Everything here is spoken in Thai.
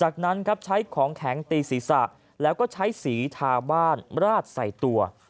แข็งตีศีรษะแล้วก็ใช้ศีรทาบ้านราดใส่ตัว